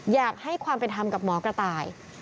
อยากให้ความเป็นธรรมกับหมอกระต่าย